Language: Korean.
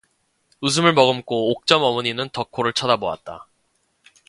웃음을 머금고 옥점 어머니는 덕호를 쳐다보았다.